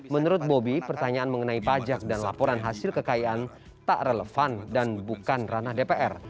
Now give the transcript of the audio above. menurut bobi pertanyaan mengenai pajak dan laporan hasil kekayaan tak relevan dan bukan ranah dpr